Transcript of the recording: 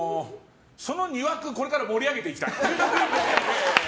これから盛り上げていきたい。